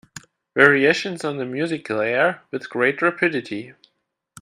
Variations on a musical air With great rapidity.